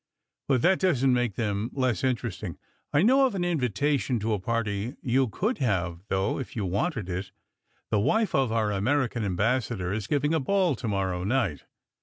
"But that doesn t make them less in teresting. I know of an invitation to a party you could have, though, if you wanted it. The wife of our American ambassador is giving a ball to morrow night.